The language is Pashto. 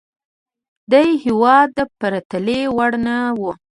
دې هېواد د پرتلې وړ نه وه.